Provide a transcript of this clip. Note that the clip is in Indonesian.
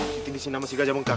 siti disini masih gajah bengkak